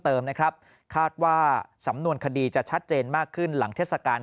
เติมนะครับคาดว่าสำนวนคดีจะชัดเจนมากขึ้นหลังเทศกาล